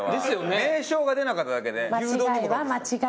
名称が出なかっただけで。